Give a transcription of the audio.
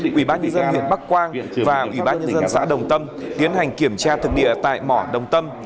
quỹ bác nhân dân huyện bắc quang và quỹ bác nhân dân xã đồng tâm tiến hành kiểm tra thực địa tại mỏ đồng tâm